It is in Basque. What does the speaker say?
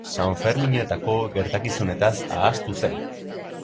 Sanferminetako gertakizunetaz ahaztu zen.